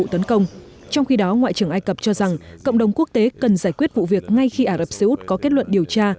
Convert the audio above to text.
trong khi đó ngoại trưởng ai cập cho rằng cộng đồng quốc tế cần giải quyết vụ việc ngay khi ả rập xê út có kết luận điều tra